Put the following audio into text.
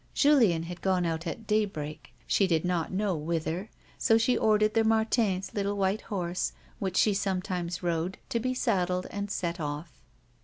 Julien had gone out at daybreak, she did not know whither, so she ordered the Martins' little white horse, which she sometimes rode, to be saddled and set off.